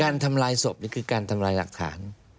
ทำลายศพนี่คือการทำลายหลักฐาน